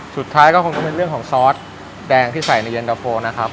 สุดท้ายก็คงต้องเป็นเรื่องของซอสแดงที่ใส่ในเย็นตะโฟนะครับ